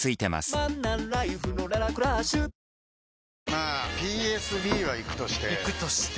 まあＰＳＢはイクとしてイクとして？